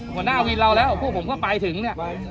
หัวหน้าวินเราแล้วพวกผมก็ไปถึงเนี่ย